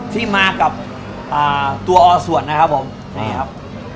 ที่มากับตัวอส่วนนะครับผมนี่ครับ